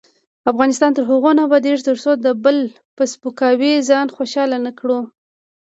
افغانستان تر هغو نه ابادیږي، ترڅو د بل په سپکاوي ځان خوشحاله نکړو.